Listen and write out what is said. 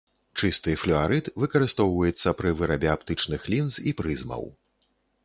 Чысты флюарыт выкарыстоўваецца пры вырабе аптычных лінз і прызмаў.